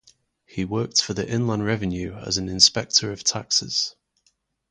He worked for the Inland Revenue as an inspector of taxes.